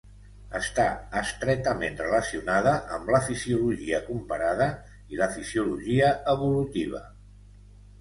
Està estretament relacionada amb la fisiologia comparada i la fisiologia evolutiva.